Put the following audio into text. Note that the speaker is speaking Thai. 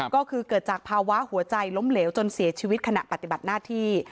ก็คือเกิดจากภาวะหัวใจล้มเหลวจนเสียชีวิตขณะปฏิบัติหน้าที่